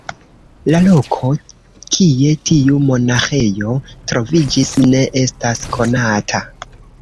La loko, kie tiu monaĥejo troviĝis ne estas konata.